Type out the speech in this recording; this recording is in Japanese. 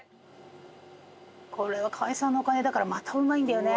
これは川合さんのお金だからまたうまいんだよね。